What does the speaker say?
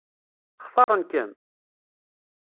Xtaṛen-kem?